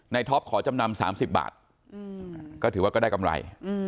ท็อปขอจำนำ๓๐บาทก็ถือว่าก็ได้กำไร